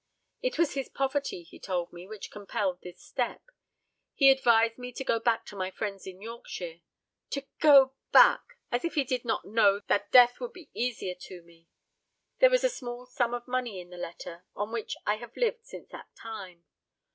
It was his poverty, he told me, which compelled this step. He advised me to go back to my friends in Yorkshire. To go back! as if he did not know that death would be easier to me. There was a small sum of money in the letter, on which I have lived since that time.